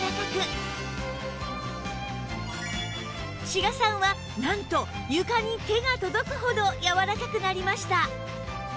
志賀さんはなんと床に手が届くほどやわらかくなりました